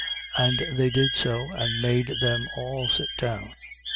9:15. And they did so and made them all sit down.